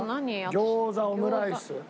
餃子オムライス。